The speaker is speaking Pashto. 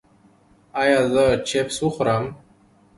ایا زه چپس وخورم؟